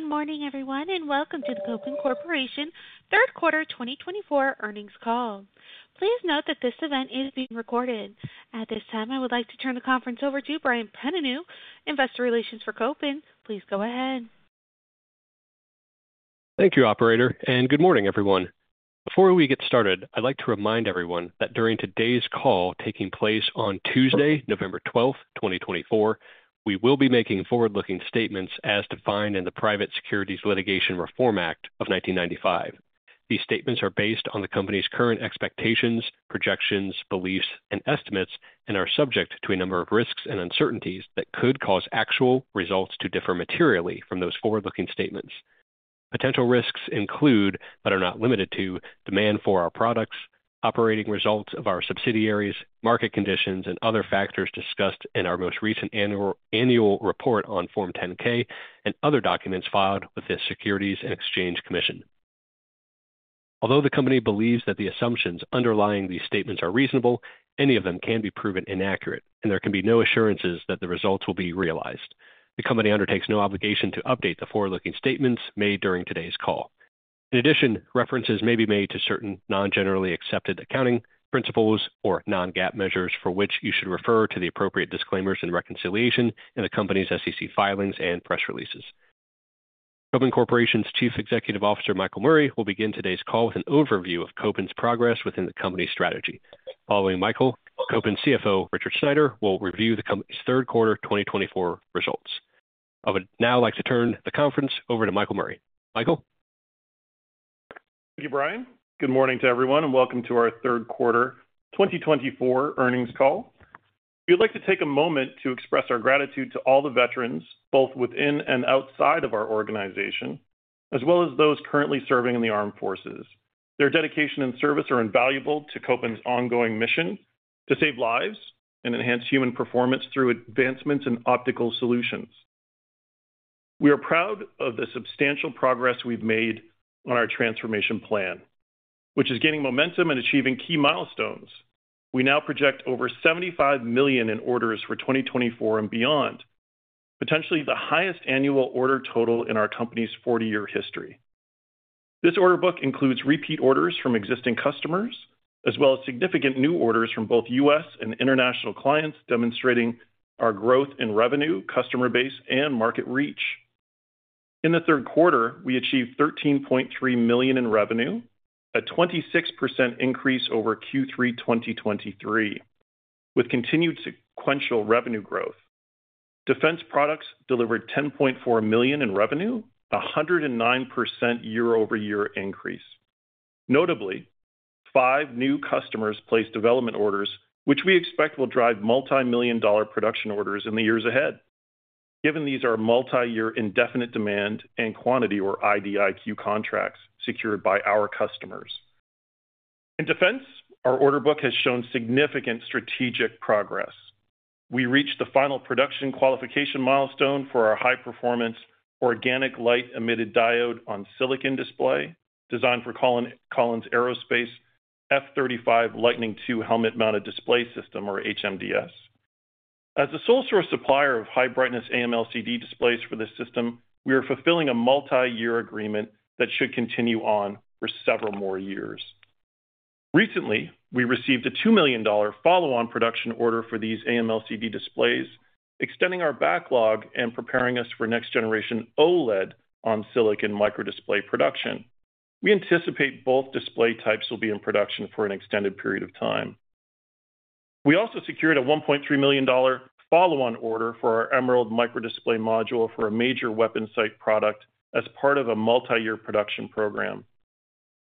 Good morning, everyone, and welcome to the Kopin Corporation Third Quarter 2024 earnings call. Please note that this event is being recorded. At this time, I would like to turn the conference over to Brian Prenoveau, Investor Relations for Kopin. Please go ahead. Thank you, Operator, and good morning, everyone. Before we get started, I'd like to remind everyone that during today's call, taking place on Tuesday, November 12th, 2024, we will be making forward-looking statements as defined in the Private Securities Litigation Reform Act of 1995. These statements are based on the company's current expectations, projections, beliefs, and estimates, and are subject to a number of risks and uncertainties that could cause actual results to differ materially from those forward-looking statements. Potential risks include, but are not limited to, demand for our products, operating results of our subsidiaries, market conditions, and other factors discussed in our most recent annual report on Form 10-K and other documents filed with the Securities and Exchange Commission. Although the company believes that the assumptions underlying these statements are reasonable, any of them can be proven inaccurate, and there can be no assurances that the results will be realized. The company undertakes no obligation to update the forward-looking statements made during today's call. In addition, references may be made to certain non-generally accepted accounting principles or non-GAAP measures for which you should refer to the appropriate disclaimers and reconciliation in the company's SEC filings and press releases. Kopin Corporation's Chief Executive Officer, Michael Murray, will begin today's call with an overview of Kopin's progress within the company's strategy. Following Michael, Kopin CFO, Richard Sneider, will review the company's Third Quarter 2024 results. I would now like to turn the conference over to Michael Murray. Michael? Thank you, Brian. Good morning to everyone, and welcome to our Third Quarter 2024 earnings call. We'd like to take a moment to express our gratitude to all the veterans, both within and outside of our organization, as well as those currently serving in the armed forces. Their dedication and service are invaluable to Kopin's ongoing mission to save lives and enhance human performance through advancements in optical solutions. We are proud of the substantial progress we've made on our transformation plan, which is gaining momentum and achieving key milestones. We now project over $75 million in orders for 2024 and beyond, potentially the highest annual order total in our company's 40 year history. This order book includes repeat orders from existing customers, as well as significant new orders from both U.S. and international clients, demonstrating our growth in revenue, customer base, and market reach. In the third quarter, we achieved $13.3 million in revenue, a 26% increase over Q3 2023, with continued sequential revenue growth. Defense products delivered $10.4 million in revenue, a 109% year-over-year increase. Notably, five new customers placed development orders, which we expect will drive multi-million dollar production orders in the years ahead, given these are multi-year indefinite delivery, indefinite quantity or IDIQ contracts secured by our customers. In defense, our order book has shown significant strategic progress. We reached the final production qualification milestone for our high-performance organic light-emitting diode on silicon display, designed for Collins Aerospace F-35 Lightning II Helmet-Mounted Display System, or HMDS. As the sole source supplier of high-brightness AMLCD displays for this system, we are fulfilling a multi-year agreement that should continue on for several more years. Recently, we received a $2 million follow-on production order for these AMLCD displays, extending our backlog and preparing us for next-generation OLED on silicon micro-display production. We anticipate both display types will be in production for an extended period of time. We also secured a $1.3 million follow-on order for our Emerald micro-display module for a major weapon sight product as part of a multi-year production program.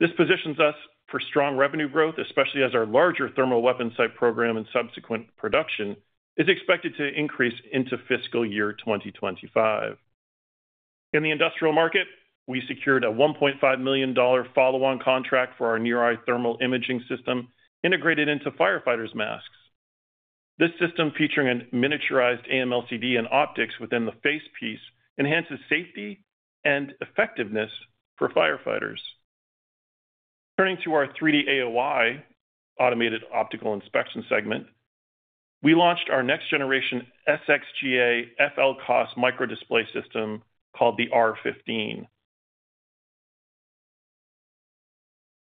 This positions us for strong revenue growth, especially as our larger thermal weapon sight program and subsequent production is expected to increase into fiscal year 2025. In the industrial market, we secured a $1.5 million follow-on contract for our Near-Eye thermal imaging system integrated into firefighters' masks. This system, featuring a miniaturized AMLCD and optics within the facepiece, enhances safety and effectiveness for firefighters. Turning to our 3D AOI, automated optical inspection segment, we launched our next-generation SXGA FLCOS micro-display system called the R15.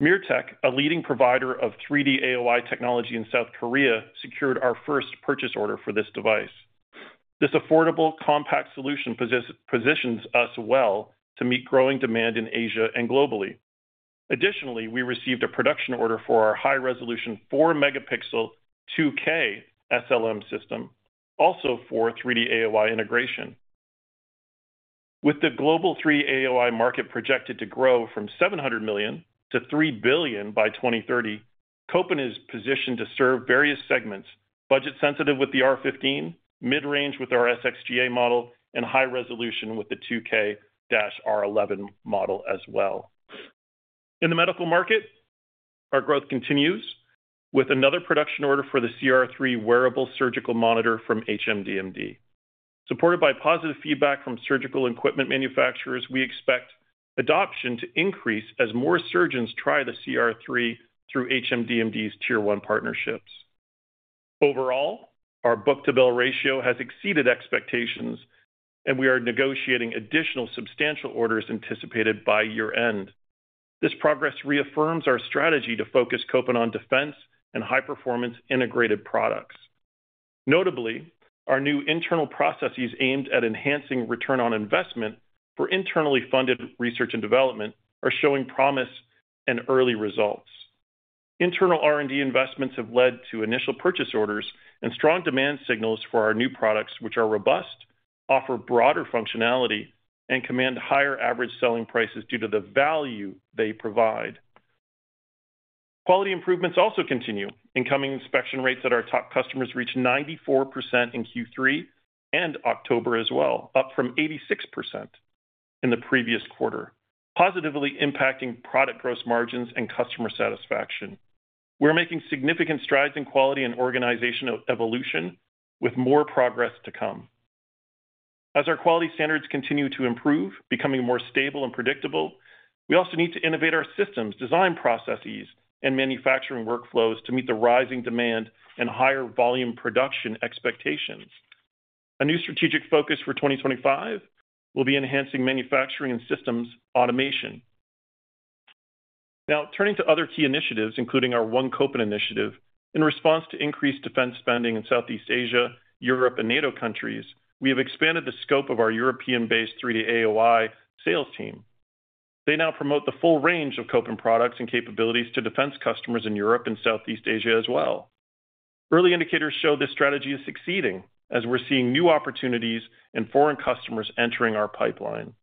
MIRTEC, a leading provider of 3D AOI technology in South Korea, secured our first purchase order for this device. This affordable, compact solution positions us well to meet growing demand in Asia and globally. Additionally, we received a production order for our high-resolution 4-megapixel 2K SLM system, also for 3D AOI integration. With the global 3D AOI market projected to grow from $700 million to $3 billion by 2030, Kopin is positioned to serve various segments: budget-sensitive with the R15, mid-range with our SXGA model, and high-resolution with the 2K-R11 model as well. In the medical market, our growth continues with another production order for the CR3 wearable surgical monitor from HMDmd. Supported by positive feedback from surgical equipment manufacturers, we expect adoption to increase as more surgeons try the CR3 through HMDmd's Tier I partnerships. Overall, our book-to-bill ratio has exceeded expectations, and we are negotiating additional substantial orders anticipated by year-end. This progress reaffirms our strategy to focus Kopin on defense and high-performance integrated products. Notably, our new internal processes aimed at enhancing return on investment for internally funded research and development are showing promise and early results. Internal R&D investments have led to initial purchase orders and strong demand signals for our new products, which are robust, offer broader functionality, and command higher average selling prices due to the value they provide. Quality improvements also continue. Incoming inspection rates at our top customers reached 94% in Q3 and October as well, up from 86% in the previous quarter, positively impacting product gross margins and customer satisfaction. We're making significant strides in quality and organizational evolution, with more progress to come. As our quality standards continue to improve, becoming more stable and predictable, we also need to innovate our systems, design processes, and manufacturing workflows to meet the rising demand and higher volume production expectations. A new strategic focus for 2025 will be enhancing manufacturing and systems automation. Now, turning to other key initiatives, including our One Kopin Initiative, in response to increased defense spending in Southeast Asia, Europe, and NATO countries, we have expanded the scope of our European-based 3D AOI sales team. They now promote the full range of Kopin products and capabilities to defense customers in Europe and Southeast Asia as well. Early indicators show this strategy is succeeding, as we're seeing new opportunities and foreign customers entering our pipeline.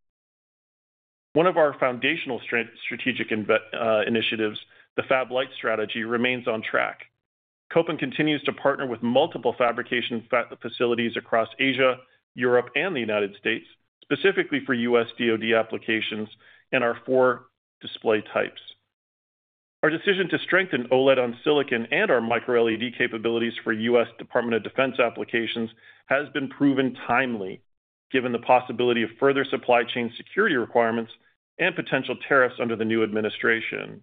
One of our foundational strategic initiatives, the FabLite strategy, remains on track. Kopin continues to partner with multiple fabrication facilities across Asia, Europe, and the United States, specifically for U.S. DOD applications and our four display types. Our decision to strengthen OLED on silicon and our micro-LED capabilities for U.S. Department of Defense applications has been proven timely, given the possibility of further supply chain security requirements and potential tariffs under the new administration.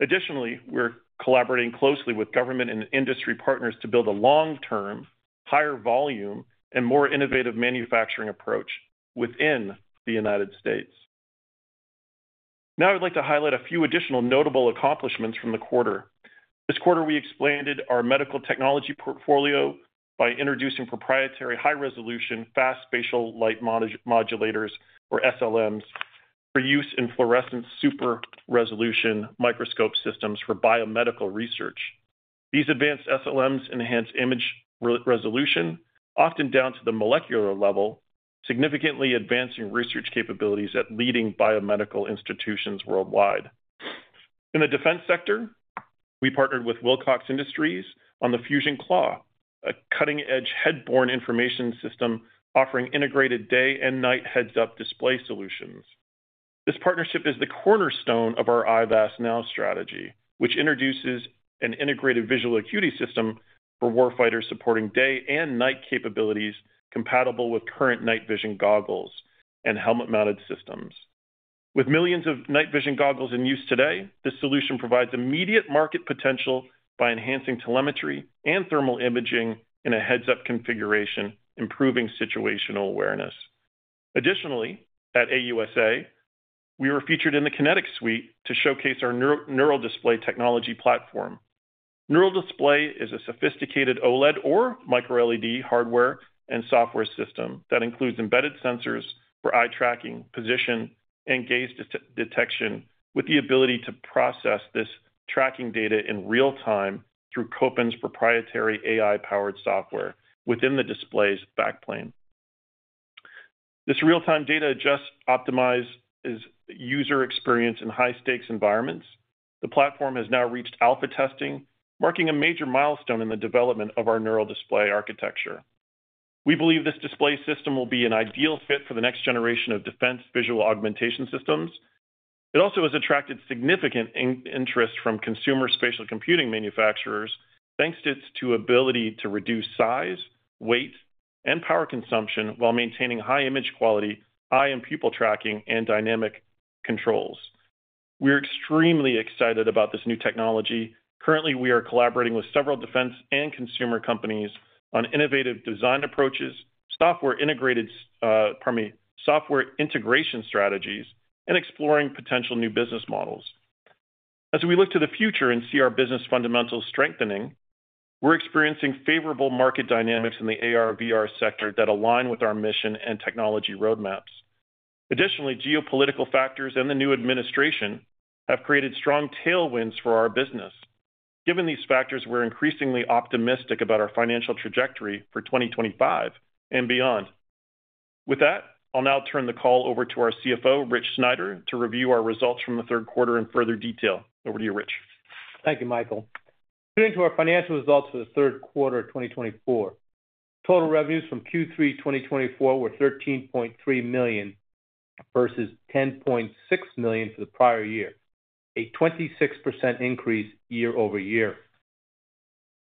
Additionally, we're collaborating closely with government and industry partners to build a long-term, higher-volume, and more innovative manufacturing approach within the United States. Now, I'd like to highlight a few additional notable accomplishments from the quarter. This quarter, we expanded our medical technology portfolio by introducing proprietary high-resolution fast spatial light modulators, or SLMs, for use in fluorescence super-resolution microscope systems for biomedical research. These advanced SLMs enhance image resolution, often down to the molecular level, significantly advancing research capabilities at leading biomedical institutions worldwide. In the defense sector, we partnered with Wilcox Industries on the FUSION CLAW, a cutting-edge head-borne information system offering integrated day-and-night heads-up display solutions. This partnership is the cornerstone of our IVAS strategy, which introduces an integrated visual augmentation system for warfighters supporting day-and-night capabilities compatible with current night vision goggles and helmet-mounted systems. With millions of night vision goggles in use today, this solution provides immediate market potential by enhancing telemetry and thermal imaging in a heads-up configuration, improving situational awareness. Additionally, at AUSA, we were featured in the QinetiQ Suite to showcase our NeuralDisplay Technology platform. NeuralDisplay is a sophisticated OLED or micro-LED hardware and software system that includes embedded sensors for eye tracking, position, and gaze detection, with the ability to process this tracking data in real-time through Kopin's proprietary AI-powered software within the display's backplane. This real-time data just optimizes user experience in high-stakes environments. The platform has now reached alpha testing, marking a major milestone in the development of our Neural Display architecture. We believe this display system will be an ideal fit for the next generation of defense visual augmentation systems. It also has attracted significant interest from consumer spatial computing manufacturers, thanks to its ability to reduce size, weight, and power consumption while maintaining high image quality, eye and pupil tracking, and dynamic controls. We're extremely excited about this new technology. Currently, we are collaborating with several defense and consumer companies on innovative design approaches, software integration strategies, and exploring potential new business models. As we look to the future and see our business fundamentals strengthening, we're experiencing favorable market dynamics in the AR/VR sector that align with our mission and technology roadmaps. Additionally, geopolitical factors and the new administration have created strong tailwinds for our business. Given these factors, we're increasingly optimistic about our financial trajectory for 2025 and beyond. With that, I'll now turn the call over to our CFO, Rich Sneider, to review our results from the third quarter in further detail. Over to you, Rich. Thank you, Michael. Turning to our financial results for the third quarter of 2024, total revenues from Q3 2024 were $13.3 million versus $10.6 million for the prior year, a 26% increase year-over-year.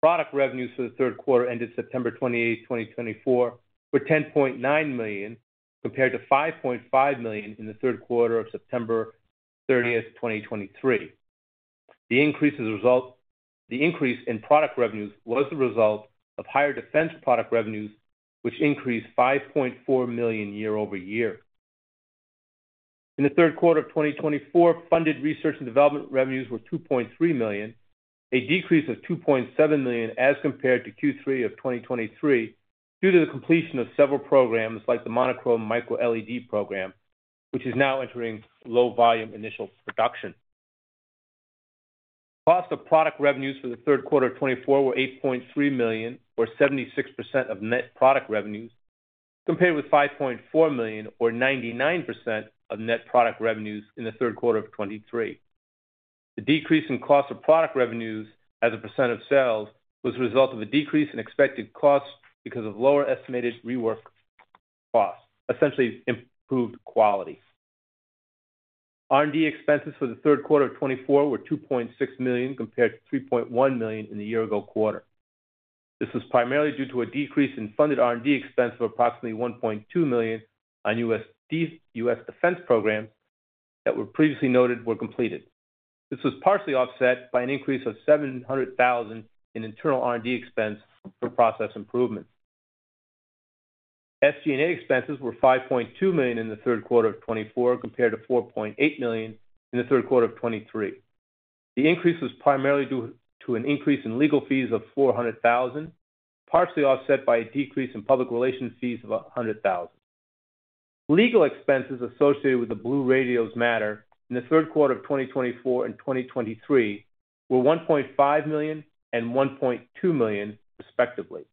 Product revenues for the third quarter ended September 28, 2024, were $10.9 million, compared to $5.5 million in the third quarter of September 30, 2023. The increase in product revenues was the result of higher defense product revenues, which increased $5.4 million year-over-year. In the third quarter of 2024, funded research and development revenues were $2.3 million, a decrease of $2.7 million as compared to Q3 of 2023 due to the completion of several programs, like the monochrome micro-LED program, which is now entering low-volume initial production. Cost of product revenues for the third quarter of 2024 were $8.3 million, or 76% of net product revenues, compared with $5.4 million, or 99% of net product revenues in the third quarter of 2023. The decrease in cost of product revenues as a percent of sales was the result of a decrease in expected costs because of lower estimated rework costs, essentially improved quality. R&D expenses for the third quarter of 2024 were $2.6 million compared to $3.1 million in the year-ago quarter. This was primarily due to a decrease in funded R&D expense of approximately $1.2 million on U.S. defense programs that were previously noted were completed. This was partially offset by an increase of $700,000 in internal R&D expense for process improvements. SG&A expenses were $5.2 million in the third quarter of 2024, compared to $4.8 million in the third quarter of 2023. The increase was primarily due to an increase in legal fees of $400,000, partially offset by a decrease in public relations fees of $100,000. Legal expenses associated with the BlueRadios matter in the third quarter of 2024 and 2023 were $1.5 million and $1.2 million, respectively.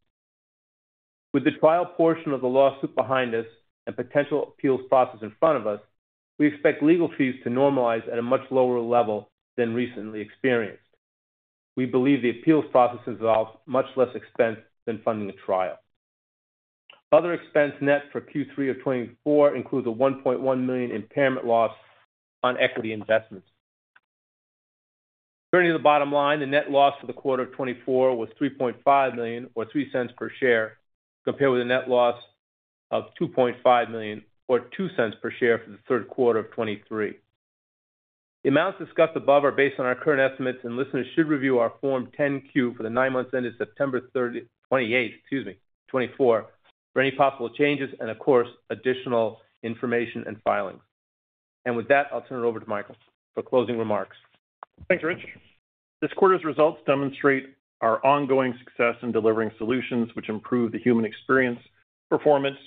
With the trial portion of the lawsuit behind us and potential appeals process in front of us, we expect legal fees to normalize at a much lower level than recently experienced. We believe the appeals process involves much less expense than funding a trial. Other expenses, net for Q3 of 2024 includes a $1.1 million impairment loss on equity investments. Turning to the bottom line, the net loss for the quarter of 2024 was $3.5 million, or $0.03 per share, compared with a net loss of $2.5 million, or $0.02 per share for the third quarter of 2023. The amounts discussed above are based on our current estimates, and listeners should review our Form 10-Q for the nine months ended September 28, 2024, for any possible changes and, of course, additional information and filings. And with that, I'll turn it over to Michael for closing remarks. Thanks, Rich. This quarter's results demonstrate our ongoing success in delivering solutions which improve the human experience, performance,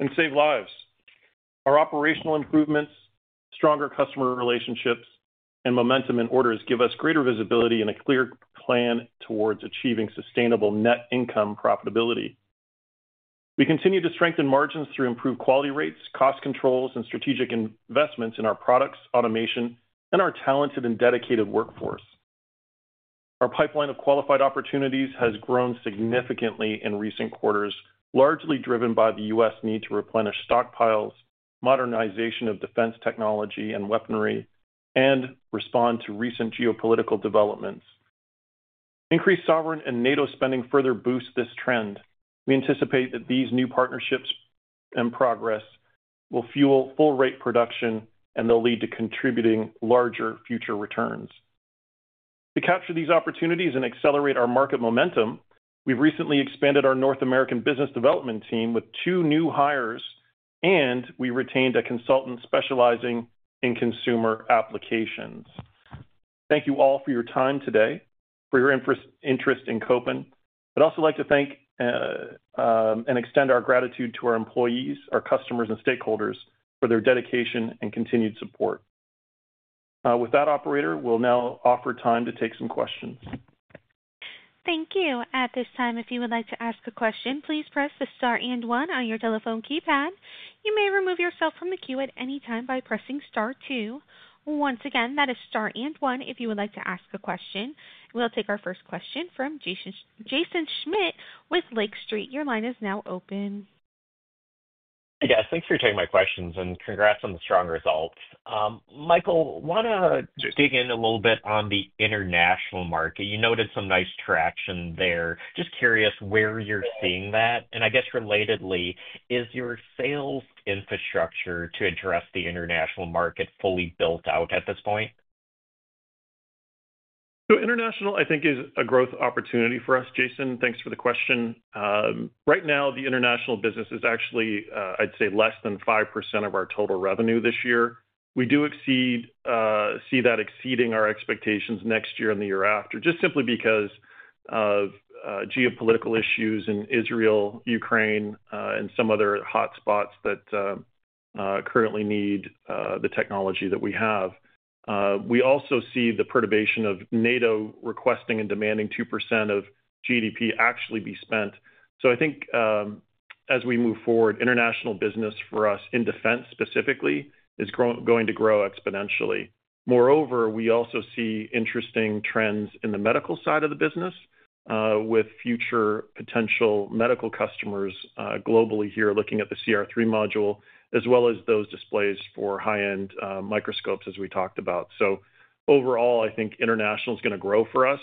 and save lives. Our operational improvements, stronger customer relationships, and momentum in orders give us greater visibility and a clear plan towards achieving sustainable net income profitability. We continue to strengthen margins through improved quality rates, cost controls, and strategic investments in our products, automation, and our talented and dedicated workforce. Our pipeline of qualified opportunities has grown significantly in recent quarters, largely driven by the U.S. need to replenish stockpiles, modernization of defense technology and weaponry, and respond to recent geopolitical developments. Increased sovereign and NATO spending further boosts this trend. We anticipate that these new partnerships and progress will fuel full-rate production, and they'll lead to contributing larger future returns. To capture these opportunities and accelerate our market momentum, we've recently expanded our North American business development team with two new hires, and we retained a consultant specializing in consumer applications. Thank you all for your time today, for your interest in Kopin. I'd also like to thank and extend our gratitude to our employees, our customers, and stakeholders for their dedication and continued support. With that, Operator, we'll now offer time to take some questions. Thank you. At this time, if you would like to ask a question, please press the Star and one on your telephone keypad. You may remove yourself from the queue at any time by pressing Star two. Once again, that is Star and one if you would like to ask a question. We'll take our first question from Jaeson Schmidt with Lake Street. Your line is now open. Yes, thanks for taking my questions, and congrats on the strong results. Michael, want to dig in a little bit on the international market? You noted some nice traction there. Just curious where you're seeing that. And I guess relatedly, is your sales infrastructure to address the international market fully built out at this point? So international, I think, is a growth opportunity for us. Jason, thanks for the question. Right now, the international business is actually, I'd say, less than 5% of our total revenue this year. We do see that exceeding our expectations next year and the year after, just simply because of geopolitical issues in Israel, Ukraine, and some other hotspots that currently need the technology that we have. We also see the perturbation of NATO requesting and demanding 2% of GDP actually be spent. So I think, as we move forward, international business for us in defense specifically is going to grow exponentially. Moreover, we also see interesting trends in the medical side of the business with future potential medical customers globally here looking at the CR3 module, as well as those displays for high-end microscopes, as we talked about. So overall, I think international is going to grow for us,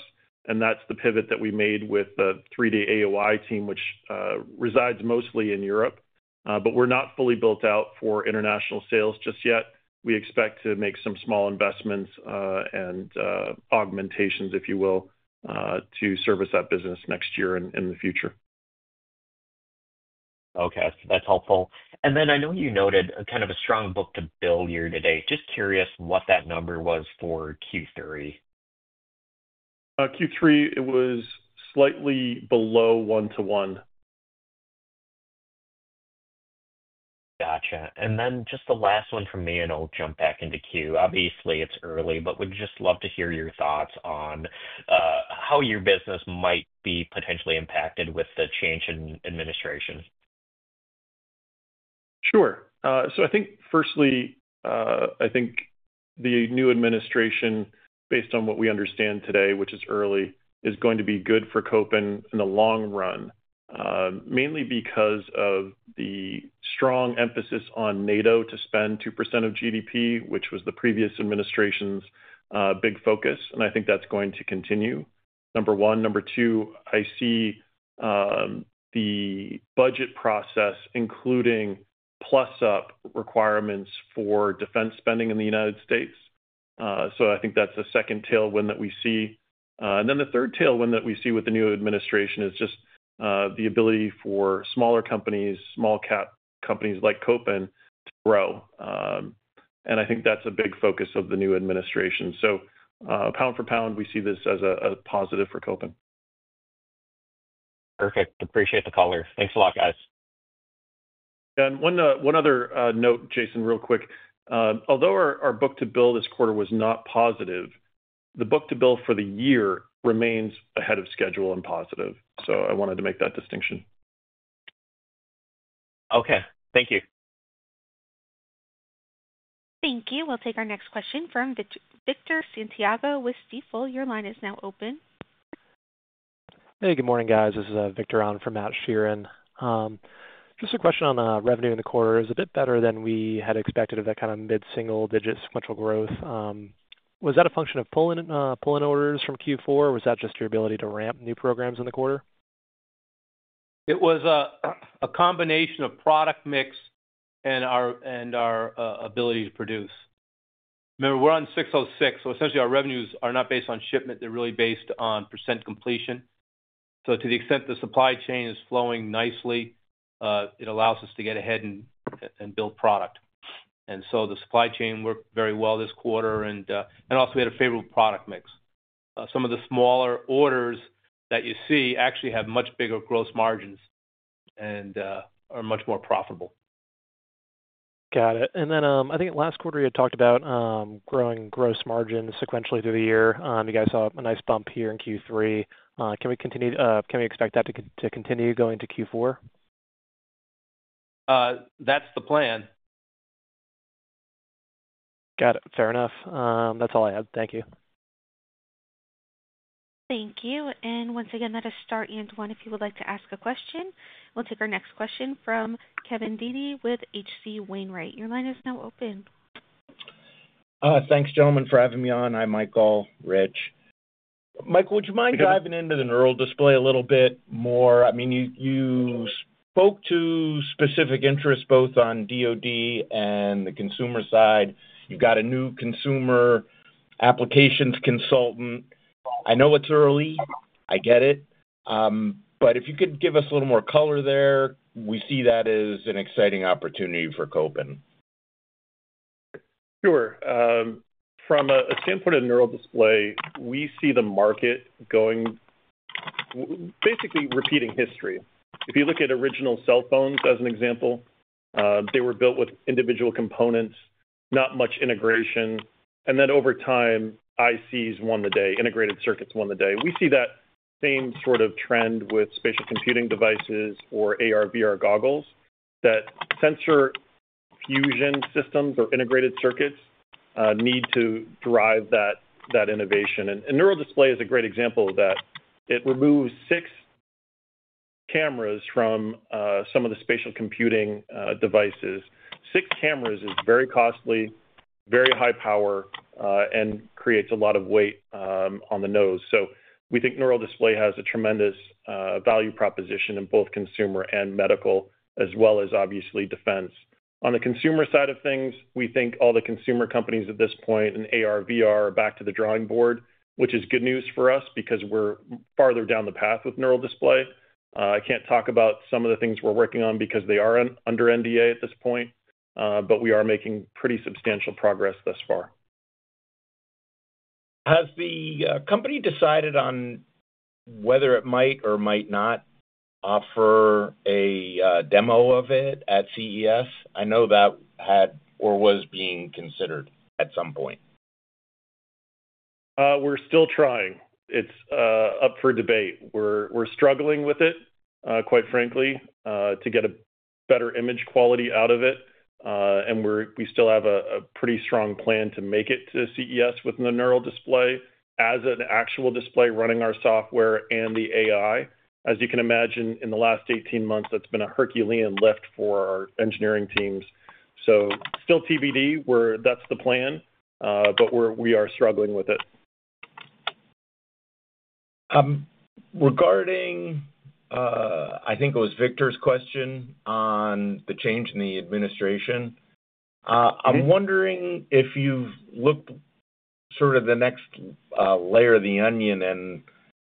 and that's the pivot that we made with the 3D AOI team, which resides mostly in Europe. But we're not fully built out for international sales just yet. We expect to make some small investments and augmentations, if you will, to service that business next year and in the future. Okay. That's helpful. And then I know you noted kind of a strong book-to-bill year today. Just curious what that number was for Q3? Q3, it was slightly below one-to-one. Gotcha. And then just the last one from me, and I'll jump back into queue. Obviously, it's early, but we'd just love to hear your thoughts on how your business might be potentially impacted with the change in administration. Sure. So I think, firstly, I think the new administration, based on what we understand today, which is early, is going to be good for Kopin in the long run, mainly because of the strong emphasis on NATO to spend 2% of GDP, which was the previous administration's big focus. And I think that's going to continue, number one. Number two, I see the budget process including plus-up requirements for defense spending in the United States. So I think that's a second tailwind that we see. And then the third tailwind that we see with the new administration is just the ability for smaller companies, small-cap companies like Kopin, to grow. And I think that's a big focus of the new administration. So pound for pound, we see this as a positive for Kopin. Perfect. Appreciate the caller. Thanks a lot, guys. And one other note, Jason, real quick. Although our book-to-bill this quarter was not positive, the book-to-bill for the year remains ahead of schedule and positive. So I wanted to make that distinction. Okay. Thank you. Thank you. We'll take our next question from Victor Santiago with Stifel. Your line is now open. Hey, good morning, guys. This is Victor on from Matt Sheerin. Just a question on revenue in the quarter. It was a bit better than we had expected of that kind of mid-single-digit sequential growth. Was that a function of pulling orders from Q4, or was that just your ability to ramp new programs in the quarter? It was a combination of product mix and our ability to produce. Remember, we're on 606, so essentially our revenues are not based on shipment. They're really based on percent completion. So to the extent the supply chain is flowing nicely, it allows us to get ahead and build product. And so the supply chain worked very well this quarter, and also we had a favorable product mix. Some of the smaller orders that you see actually have much bigger gross margins and are much more profitable. Got it. And then I think last quarter you had talked about growing gross margin sequentially through the year. You guys saw a nice bump here in Q3. Can we expect that to continue going to Q4? That's the plan. Got it. Fair enough. That's all I had. Thank you. Thank you. And once again, that is Star and 1. If you would like to ask a question, we'll take our next question from Kevin Dede with H.C. Wainwright. Your line is now open. Thanks, gentlemen, for having me on. Hi, Michael, Rich. Michael, would you mind diving into the Neural Display a little bit more? I mean, you spoke to specific interests both on DOD and the consumer side. You've got a new consumer applications consultant. I know it's early. I get it. But if you could give us a little more color there, we see that as an exciting opportunity for Kopin. Sure. From a standpoint of Neural Display, we see the market basically repeating history. If you look at original cell phones, as an example, they were built with individual components, not much integration. And then over time, ICs won the day. Integrated circuits won the day. We see that same sort of trend with spatial computing devices or AR/VR goggles that sensor fusion systems or integrated circuits need to drive that innovation. And Neural Display is a great example of that. It removes six cameras from some of the spatial computing devices. Six cameras is very costly, very high power, and creates a lot of weight on the nose. So we think Neural Display has a tremendous value proposition in both consumer and medical, as well as obviously defense. On the consumer side of things, we think all the consumer companies at this point in AR/VR are back to the drawing board, which is good news for us because we're farther down the path with neural display. I can't talk about some of the things we're working on because they are under NDA at this point, but we are making pretty substantial progress thus far. Has the company decided on whether it might or might not offer a demo of it at CES? I know that had or was being considered at some point. We're still trying. It's up for debate. We're struggling with it, quite frankly, to get a better image quality out of it. And we still have a pretty strong plan to make it to CES with the Neural Display as an actual display running our software and the AI. As you can imagine, in the last 18 months, that's been a Herculean lift for our engineering teams, so still TBD, that's the plan, but we are struggling with it. Regarding, I think it was Victor's question on the change in the administration, I'm wondering if you've looked sort of the next layer of the onion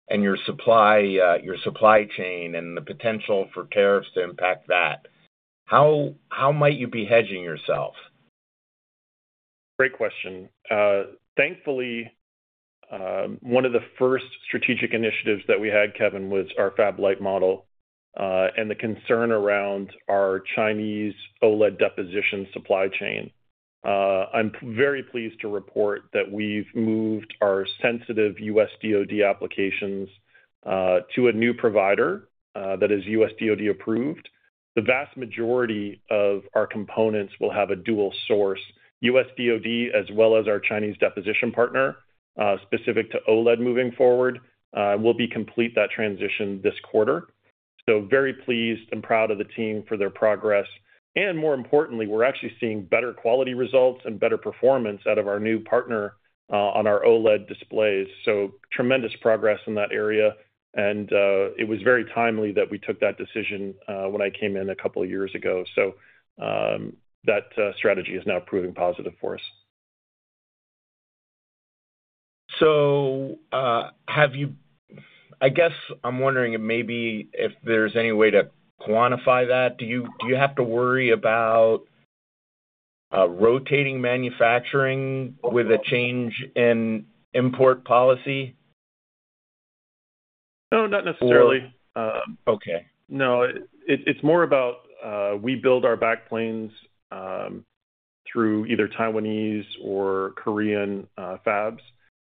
and your supply chain and the potential for tariffs to impact that. How might you be hedging yourself? Great question. Thankfully, one of the first strategic initiatives that we had, Kevin, was our FabLite model and the concern around our Chinese OLED deposition supply chain. I'm very pleased to report that we've moved our sensitive U.S. DOD applications to a new provider that is U.S. DOD approved. The vast majority of our components will have a dual source, U.S. DOD as well as our Chinese deposition partner, specific to OLED moving forward. We'll be complete that transition this quarter. So very pleased and proud of the team for their progress. And more importantly, we're actually seeing better quality results and better performance out of our new partner on our OLED displays. So tremendous progress in that area. And it was very timely that we took that decision when I came in a couple of years ago. So that strategy is now proving positive for us. So I guess I'm wondering maybe if there's any way to quantify that. Do you have to worry about rotating manufacturing with a change in import policy? No, not necessarily. Okay. No, it's more about we build our backplanes through either Taiwanese or Korean fabs,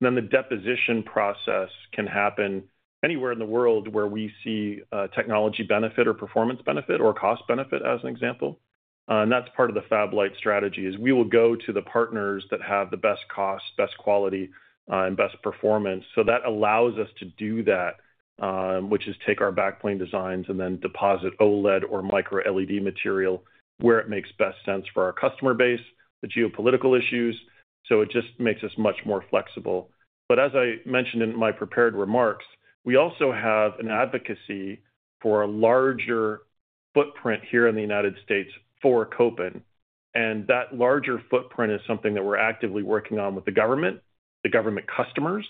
and then the deposition process can happen anywhere in the world where we see technology benefit or performance benefit or cost benefit, as an example. And that's part of the FabLite strategy is we will go to the partners that have the best cost, best quality, and best performance. So that allows us to do that, which is take our backplane designs and then deposit OLED or micro-LED material where it makes best sense for our customer base, the geopolitical issues. So it just makes us much more flexible. But as I mentioned in my prepared remarks, we also have an advocacy for a larger footprint here in the United States for Kopin. And that larger footprint is something that we're actively working on with the government, the government customers.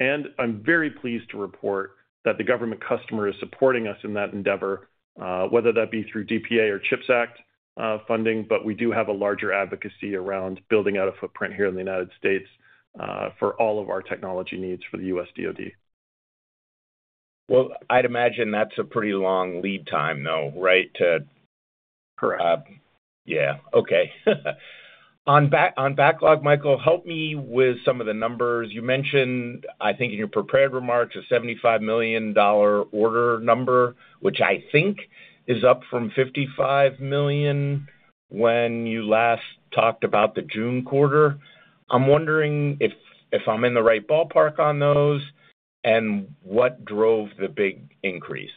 I'm very pleased to report that the government customer is supporting us in that endeavor, whether that be through DPA or CHIPS Act funding. We do have a larger advocacy around building out a footprint here in the United States for all of our technology needs for the U.S. DOD. I'd imagine that's a pretty long lead time though, right? Correct. Yeah. Okay. On backlog, Michael, help me with some of the numbers. You mentioned, I think in your prepared remarks, a $75 million order number, which I think is up from $55 million when you last talked about the June quarter. I'm wondering if I'm in the right ballpark on those and what drove the big increase.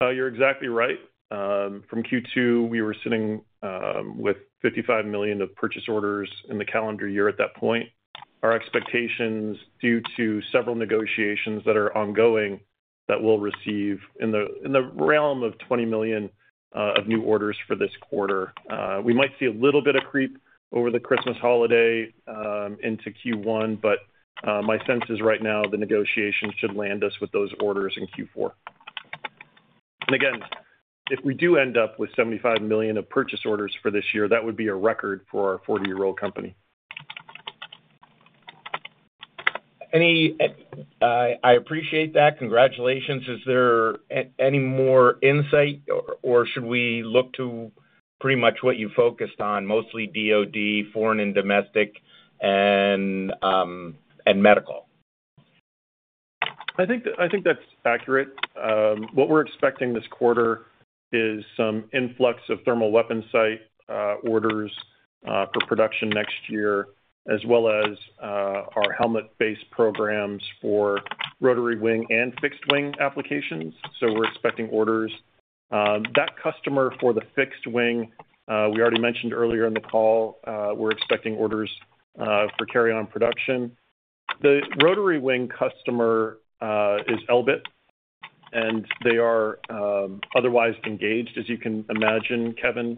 You're exactly right. From Q2, we were sitting with $55 million of purchase orders in the calendar year at that point. Our expectations due to several negotiations that are ongoing that we'll receive in the realm of $20 million of new orders for this quarter. We might see a little bit of creep over the Christmas holiday into Q1, but my sense is right now the negotiations should land us with those orders in Q4. And again, if we do end up with $75 million of purchase orders for this year, that would be a record for our 40-year-old company. I appreciate that. Congratulations. Is there any more insight, or should we look to pretty much what you focused on, mostly DOD, foreign and domestic, and medical? I think that's accurate. What we're expecting this quarter is some influx of thermal weapon sight orders for production next year, as well as our helmet-based programs for rotary wing and fixed wing applications. So we're expecting orders. That customer for the fixed wing, we already mentioned earlier in the call, we're expecting orders for carry-on production. The rotary wing customer is Elbit, and they are otherwise engaged, as you can imagine, Kevin,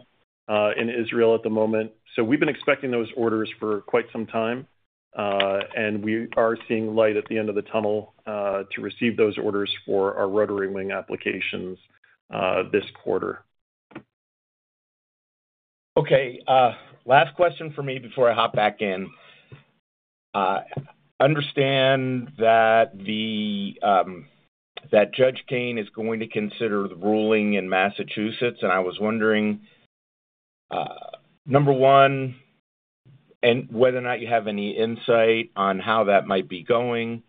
in Israel at the moment. So we've been expecting those orders for quite some time, and we are seeing light at the end of the tunnel to receive those orders for our rotary wing applications this quarter. Okay. Last question for me before I hop back in. I understand that Judge Kane is going to consider the ruling in Massachusetts, and I was wondering, number one, whether or not you have any insight on how that might be going.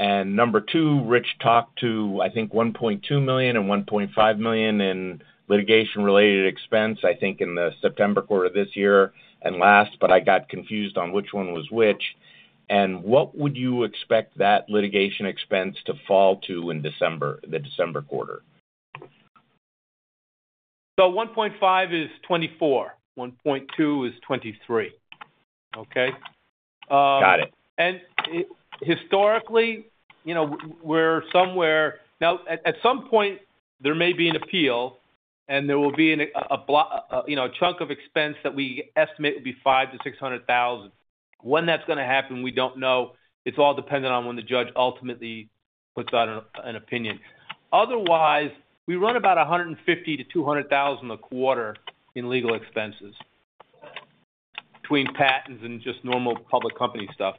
And number two, Rich talked to, I think, $1.2 million and $1.5 million in litigation-related expense, I think, in the September quarter this year and last, but I got confused on which one was which. And what would you expect that litigation expense to fall to in the December quarter? So $1.5 [million] is 2024. $1.2 [million] is 2023. Okay. Got it. And historically, we're somewhere now. At some point, there may be an appeal, and there will be a chunk of expense that we estimate will be $500,000-$600,000. When that's going to happen, we don't know. It's all dependent on when the judge ultimately puts out an opinion. Otherwise, we run about $150,000-$200,000 a quarter in legal expenses between patents and just normal public company stuff.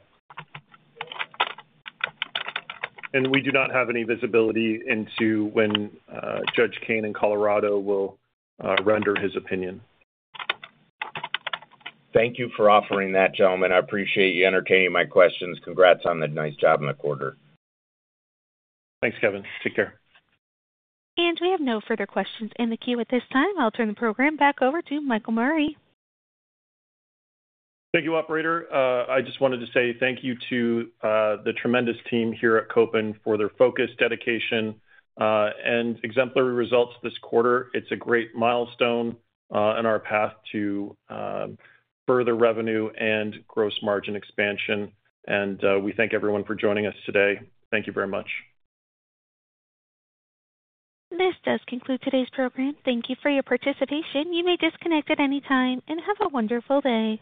And we do not have any visibility into when Judge Kane in Colorado will render his opinion. Thank you for offering that, gentlemen. I appreciate you entertaining my questions. Congrats on the nice job in the quarter. Thanks, Kevin. Take care. We have no further questions in the queue at this time. I'll turn the program back over to Michael Murray. Thank you, operator. I just wanted to say thank you to the tremendous team here at Kopin for their focus, dedication, and exemplary results this quarter. It's a great milestone in our path to further revenue and gross margin expansion. And we thank everyone for joining us today. Thank you very much. This does conclude today's program. Thank you for your participation. You may disconnect at any time and have a wonderful day.